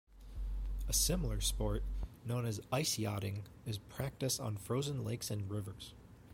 A similar sport, known as ice yachting, is practiced on frozen lakes and rivers.